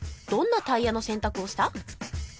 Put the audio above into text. どんなタイヤの選択をした？